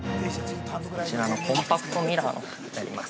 ◆こちらのコンパクトミラーになります。